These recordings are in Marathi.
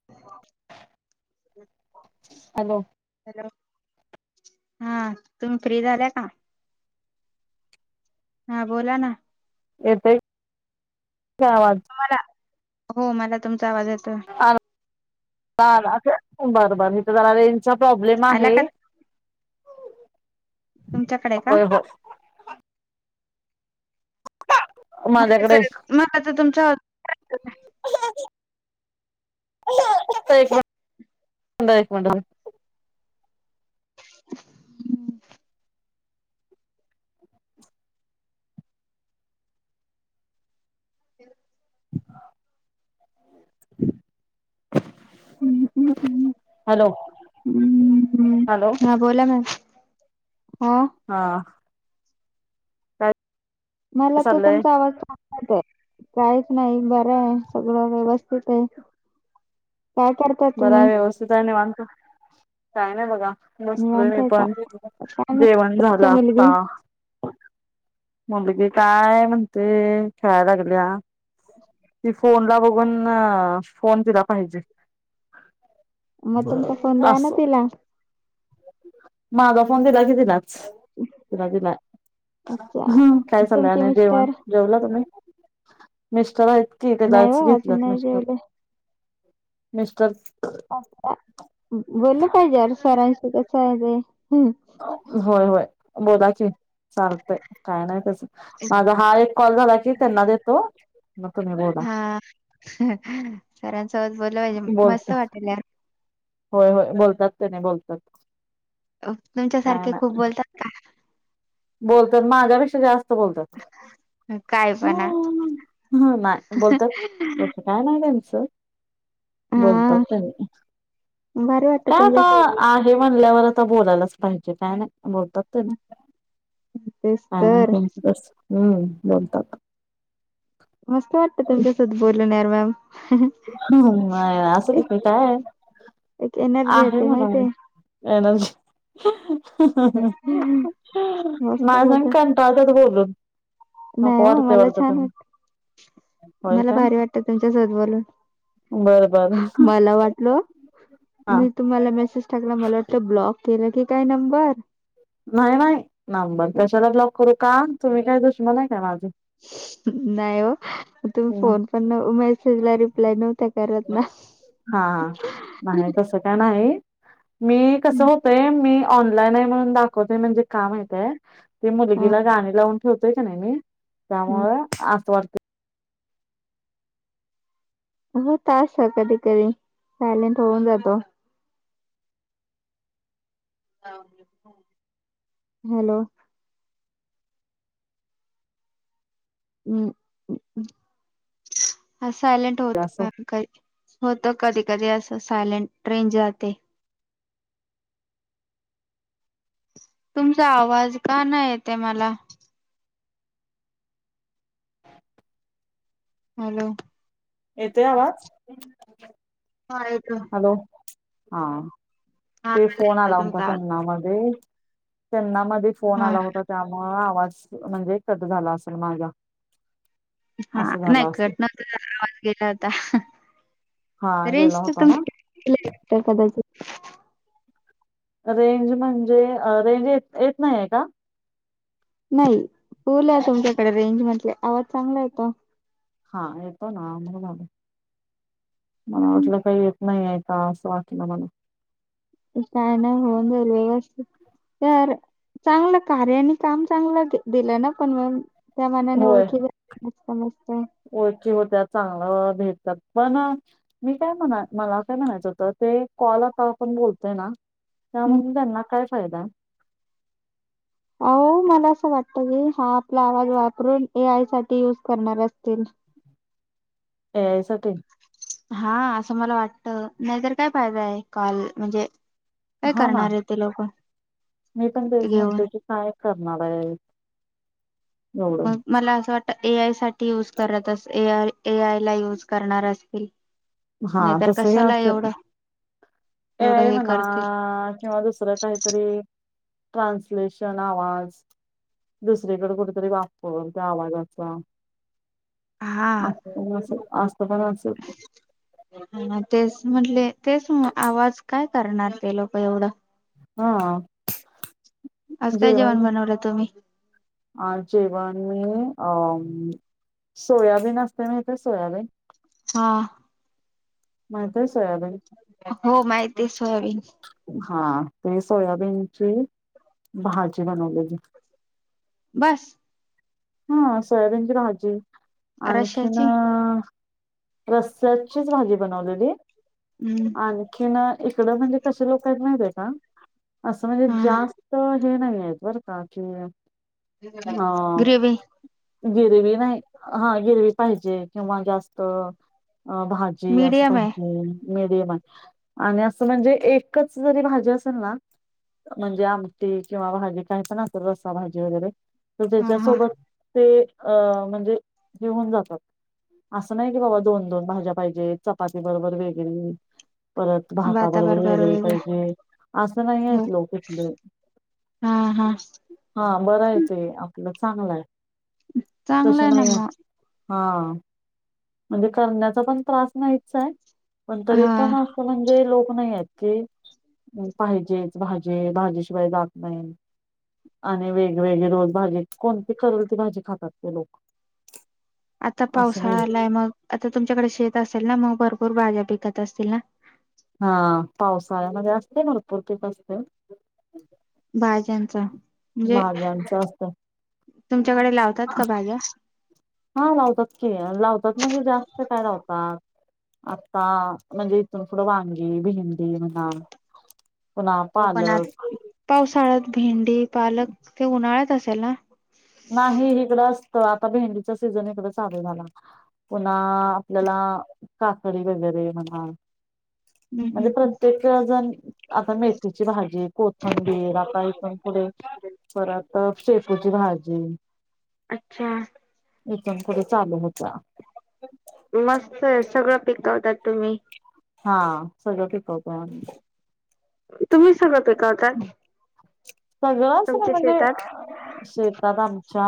[inaudible] हॅलो हॅलो हा तुम्ही फ्री झाल्या का हा बोला ना येतोय आवाज मला हो मला तुमचा आवाज येतोय बर बर इथे जरा रेंजचा प्रॉब्लेम आला आहे का तुमच्याकडे का होय होय माझ्याकडे मग आता तुमच्या [inaudible] एक मिनिट एक मिनिट [inaudible] हॅलो हॅलो हा बोला मॅम हा काय मला तर चाललंय तुमचा आवाज चांगला येत आहे काहीच नाही बरं आहे सगळं व्यवस्थित आहे. काय कर बरा व्यवस्थित आहे निवांत काय नाही बघा बसलोय निवांत मी आहे का? पण काय नाही जेवण तुमची झालं मुलगी? आता मुलगी काय म्हणते खेळायला लागल्या ती फोन ला बघून फोन तिला पाहिजे मग तुमचा फोन द्या अस ना तिला. माग फोन दिला की तिलाच तिला दिला अच्छा. आहे काय चाललं तुमचे आणि जेवण मिस्टर? जेवला तुम्ही मिस्टर आहेत की रजा नाही हो अजून घेतल्यात नाही मिस्टर जेवले. मिस्टर बोललं पाहिजे अर सरांशी कस आहे ते हम्म होय होय बोलाकी चालतय काय नाही तसं हा एक कॉल झाला की त्यांना देतो मग तुम्ही बोला. हा बोलता [unintelligible] होय होय बोलतात त्यांनी बोलतात. काय तुमच्यासारखे नाही खूप बोलतात. बोलतात माझ्यापेक्षा जा बोलतात काय पणा. हम्म बोलतात तसं - काय नाही त्याचं बोलतात हा त्यांनी. भारी वाटतं काय आता तुमच्यासोबत आहे म्हणल्यावर आता बोलायलाच पाहिजे काय नाही बोलतात त्यांनी. बोलतेस हा तर हम्म बोलतात [inaudible] मस्त वाटतं त्यांच्या सोबत बोलल्यावर मॅम असंस एक नाही काय एक एनर्जी आहे येते म्हणून. माहितीये एनजी हम्म. मस्त माझं बोलतात. का [unintelligible] बोलून. नाही नको हो वाटतय मला वाटत छान त्यांना वाटत होय मला काय भारी वाटत तुमच्या सोबत बोलुन. बरं बरं मला वाटलं हा मी तुम्हाला मेसेज टाकला मला वाटल ब्लॉक केलं की काय नंबर. नाही नाही नंबर कशाला ब्लॉक करू का तुम्ही काय दुश्मन आहे काय माझी. नाहीव. तुम्ही मग फोन पण मेसेजला रिप्लाय नव्हता करत ना हा हा नाही तसं काय नाही मी कसं होतय मी ऑनलाईन आहे म्हणून दाखवतय म्हणजे का माहीत आहे मी मुलगीला गाणी लावून ठेवतोय कणी मी त्यामुळे आस वाटत हो त आस कधी कधी सायलेंट होऊन जातो हॅलो हम् ह सायलेंट होत असं मॅम... होत कधी कधी असं सायलेंट ट्रेन जाते.. तुमचा आवाज का नाही येत आहे मला... हॅलो येतोय आवाज हा... हॅलो हा हा ते मला फोन येतो आला तुमचा आवाज त्यांना मध्ये.... त्यांना मध्ये फोन हा आला होता त्यामुळ आवाज म्हणजे कट झाला असेल माझा... हा असं झालं नाही असेल कट नाही तर आवाज गेला होता हा तरे इ गेला होता ना कदाचित... रेंज म्हणजे रेंज येत नाही आहे का? नाही. रेंजमध्ये आवाज चांगला येतो. हा येतो ना... मला हम्म. वाटलं काही येत नाही आहे का असं वाटलं मला... काय नाही हो गेल्या वर्षी... तर चांगल कार्य आणि काम चांगल दिलं ना कमवून.... त्या मनाने होय ओळखी मस्त मस्त... ओळखी होत्या चांगलं भेटतात पण.... मी काय म्हणा मला काय म्हणायचं होतं ते कॉल आता पण बोलतोय ना... त्या म्हनुण त्यांना काय फायदा... अहो मला असं वाटत की हा आपला आवाज वापरून ए आय साठी यूज करणार असतील. ए आय साठी... हा असं मला वाटत नाहीतर काय फायदा आहे कॉल म्हणजे... काय हा ना करणार आहे ते लोक मी पण तेच घेऊन... म्हणते की काय करणार आहेत. मग मला असं वाटतं ए आय साठी यूज करतच ए आय... ए आय ला युज करणार असतील... हा नाहीतर तस ह कशाला असेल एवढं ए एवढं आय हे म्हणा करतील किंवा दुसरं काही... तरी ट्रानसलेशन आवाज... दुसरीकडे कुठेतरी वापर त्या आवाजाचा... हा अस पण असल ह तेच म्हटले तेच आवाज काय करणार ते लोक एवढा.... हा... आज काय जेवण बनवलं तुम्ही.... आ जेवनी अ... सोयाबीन असते माहितीे आहे सोयाबीन.... हा.... माहित आहे सोयाबीन.... हो माहिती आहे सोयाबीन.... हा ते सोयाबीनची भाजी बनवलेली.... बस.... हा सोयाबीनची भाजी आणखीन... रश्याची रसचीच भाजी बनवलेली आणि... हम्म आणखी इकड म्हणजे कशी लोक माहित आहे का अस म्हणजे हा जास्त.... हे नाही आहे बर का... ग्रेवी गिरवी नाही हा गिरवी पाहिजे किंवा जास्त भात... मीडियम आहे पाहिजे मडीयम आहे आणि असं म्हणजे एकच जरी भाजी असेल ना.. म्हणजे आमटी किंवा भाजी काही पण अस कर रसाभजी वगैरे.... तर हा हा त्याच्यासोबत ते अ म्हणजे घेऊन जातात... असं नाही की बाबा दोन दोन भाज्या पाहिजेत चपाती बरोबर वेगळी... परत भाताबरोबर वेगळी पाहिजे असं नाही आहेत लोक इथले.... हा हा. हा बर आहेेतो, आपलं चांगला आहे तस चांगलं ना नाही आहे. मग हा. म्हणजे करण्याचा पण त्रास नाहीच आहे. पण तरी हा पण असं म्हणजे लोक नाही आहेत की पाहिजेच भाजी भाजीशिवाय जात नाही. आणि वेगवेगळी रोज भाजी कोणती करेल त भाजी खातात ते लोक. आता असं नाही पावसाळालाय मग आता तुमच्याकडे शेत असेल ना मग भरपूर भाज्या पिकत असतील ना. हा पावसाळ्यामध्ये असते भरपूर पीक असते. भाज्यांच म्हणजे भाज्यांच असत तुमच्याकडे लावतात का भाज्या हा लावतात की लावतात म्हणजे जास्त काय लावतात. आता म्हणजे इथून पुढे वांगी, भेंडी म्हणा. पुन्हा हो पण पालक आता पावसाळ्यात भेंडी पालक ते उन्हाळ्यात असेल ना. नाही इकडं असत आता भेंडीचा सीझन इकडं चालू झाला. पुन्हा आपल्याला काकडी वगैरे म्हणा. हम्म म्हणजे हम्म प्रत्येक वे जण आता मेथीची भाजी कोथंबीर आता इथून पुढे परत शेपूची भाजी. अच्छा! एकथन कडे चालू होता. मस्त आहे, सगळं पिकवतात तुम्ही हा सगळं पिकवत. तुम्ही सगळं पिकवतात. सगळंच ना तुमच्या म्हणजे शेतात शेतात आमच्या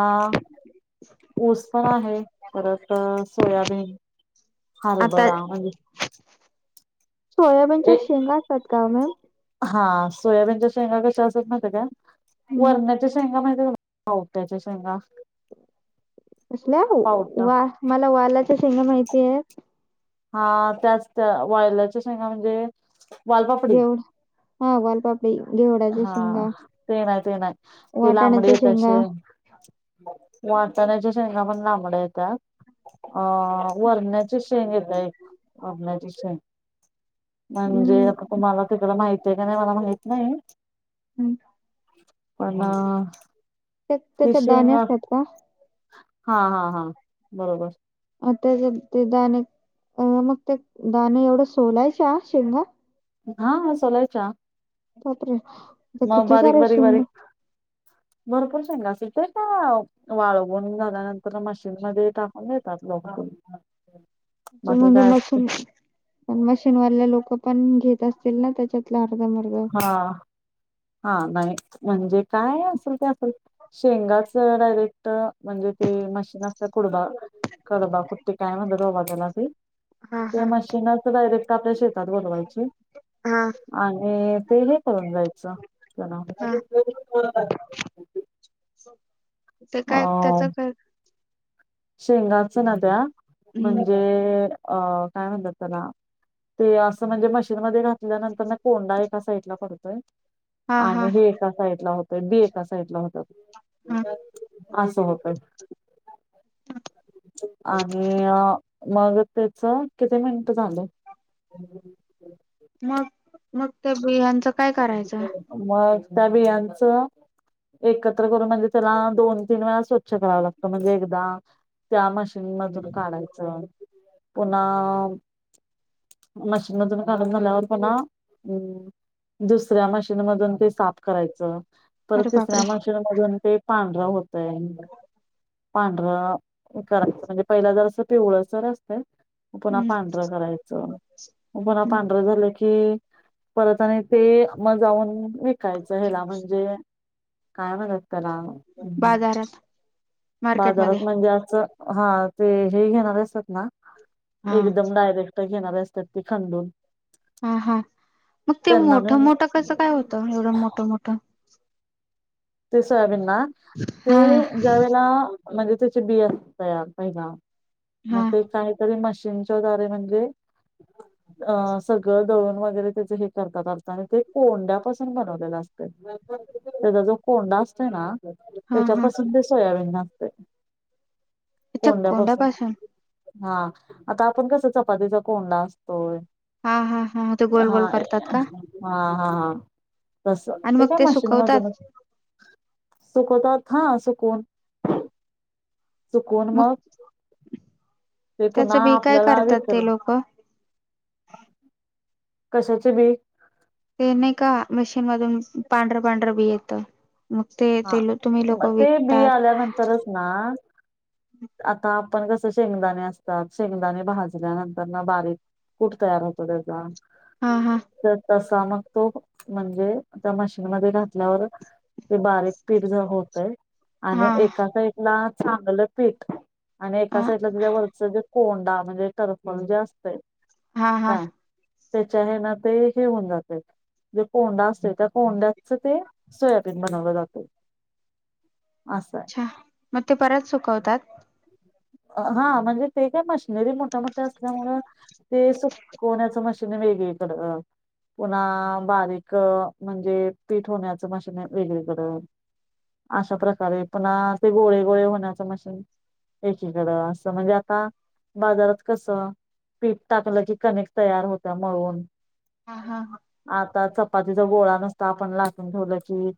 ऊस पण आहे परत सोयाबीन, आता हरभरा म्हणजे सोयाबीनच्या ए शेंगा का मॅम हा सोयाबीनच्या शंगा कशा असतात माहित आहे का? मॅम वरणाच्या शेंगा माहितीये का पावट्याच्या शेंगा कसल्या ओ, पावटा वा मला वालाच्या शेंगा माहिती ये. हा त्याच त्या, वायलाच्या शेंगा म्हणजे वालपापडी. घेवड हा वालपापडी घेवडाच्या हा, शेंगा ते नाही ते नाही, ते लांबडी वाटाण्याच्या येतात शेंगा शें वाटानाच्या शेंगा पण लांबड्या येत्यात. अ वरणाची शेंग येत्या एक वरणाची शेंग म्हणजे हम्म आता तुम्हाला तिकडं माहिती हाय का नाही मला माहित नाही. पण ते ती त्याच्यात दाणे शेंगा असतात का? हा हा हा, बरोबर! मग त्याच ते दाणे, अ मग ते दाणे, एवढं सोलायच्या शेंगा? हा सोलायच्या. बापरे! मग किती बारीक सारे बारीक बारीक शेंग भरपूर शेंगा असतील तर काय वाळगून झाल्यानंतर मशीन मध्ये टाकून देतात लोक बाकी म्हणजे काय म असते पण मशीनवालेल्या लोक पण घेत असतील ना त्याच्यातला अर्ध मर्ध हा हा नाही म्हणजे काय असेल ते असेल. शेंगाच डायरेक्ट, म्हणजे ते मशीन असतं कुडगा कंडबा कुट्टी काय म्हणत्यात बाबा त्याला ती हा ते हा मशीनच डायरेक्ट आपल्या शेतात बनवायची हा आ ते हे करून जायचं जना हा [unintelligible] ते काय, त्याच काय? शेंगाचं ना त्या हम्म म्हणजे अ काय म्हणतात त्याला ते असं म्हणजे मशीनमध्ये घातल्यानंतर ना, कोंडा एका साईड ला पडतोय. हा हा आणि हे एका साइडला होत बी एका सोडला होतात, हा [unintelligible] असं होतंय. [inaudible] आणि मग त्याच किती मिनिट झालं? मग, मग त्या बियांच मग त्या बियांच एकत्र करून म्हणजे त्याला दोन तीन वेळा स्वच्छ कराव लागतं, म्हणजे एकदा त्या मशी मधून काढायचं, पुन्हा मशीनातून काढून झाल्यावर पुन्हा दुसऱ्या मशीन मधून ते साफ करायचं, परत अरे तिसऱ्या बापरे मशीन मधून मधून ते पांढरा होतय. पांढरं हे करायचं म्हणजे पहिला जरासं पिवळंसरच [unintelligible] पुन्हा हम्म पांढरं करायचं, पुन्हा हम्म पांढरं झालं की परत आणि ते मग जाऊन विकायचं, ह्याला म्हणजे काय म्हणायचं त्याला हम्म, बाजारात बाजारात मार्केटमध्ये म्हणजे असं हा ते हे घेणार असतात ना हा एकदम डायरेक्ट घेणारे असतात ते खंदून हा हा, मग ते मोठं न- मोठं कसं काय होतं, एवढं मोठं मोठं ते सोयाबीन ना, ते हा ज्या वेळेला म्हणजे त्याचे बीयर तयार व्हायला मग हा ते काहीतरी मशीनच्याद्वारे म्हणजे [unintelligible] अ सगळं दळून वगैरे त्याच हे करतात वाटतं आणि ते कोंड्यापासून बनवलेलं असतंय त्याचा जो कोंडा असतोय ना हा हा त्याच्यापासून ते सोयाबीन असतय कोंड्यापासून हा आता आपण कसं चपातीचा कोंडा असतोय हा हा हा, ते गोल हा गोल ए करतात का? हा हा हा, तस आणि ते मग काय मशिन मधून सुकवतात सुकवतात हा सुकवून सुकवून मग ते पुन्हा त्याचं बी काय आपल्याला करतात विकत ते लोकं? कशाचे बी? ते नाही का मशीन मधून पांढरं पांढरं बी येतं मग ते हा ते तुम्ही मग लोकं ते बी विकतात. आल्यानंतरच ना आता आपण कसं शेंगदाणे असतात शेंगदाणे भाजल्यानंतर ना बारीक कुट तयार होतं त्याच हा हा तर तसा मग तो म्हणजे त्या मशीनमध्ये घातल्यावर ते बारीक पीठ ज होतंय हा आणि एका साईड ला चांगलं पीठ आणि एका हा साइडला तुझ्या वरचा जे कोंडा म्हणजे टर्फल जे असतय. हा हा काय? त्याच्या हे ना ते हे होऊन जातंय. जे कोंडा असते त्या कोंड्याच ते सोयाबीन बनवलं जातं असं अच्छा! मग ते परत सुकवतात? हा म्हणजे ते काय मशिनरी मोठ्या मोठ्या असल्यामुळ ते सुकवण्याचं मशीन वेगळीकडे पुन्हा बारीक अ म्हणजे पीठ होण्याचं मशीन वेगळीकडं. अशा प्रकारे पुन्हा ते गोळे गोळे होण्याचं मशीन एकीकडं असं म्हणजे आता बाजारात कसं पीठ टाकलं की कनिक् तयार होत्या मळून हा हा हा आता चपातीचा गोळा नुसता आपण लाटून ठेवलं की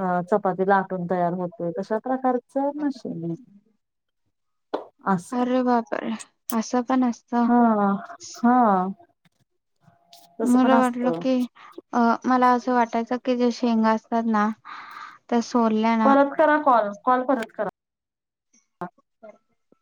अ चपाती ला तयार होतोय तशा प्रकारच मशीन आहे असं अरे बापरे असं पण असत हा हा तसं पण मला वाटलं असतं की अ मला असं वाटायचं की जे शेंग असतात ना त्या सोडल्या ना परत करा कॉल कॉल परत करा ब [unintelligible]